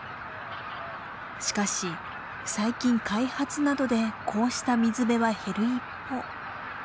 しかし最近開発などでこうした水辺は減る一方。